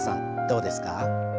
どうですか？